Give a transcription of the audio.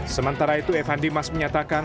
sementara itu evan dimas menyatakan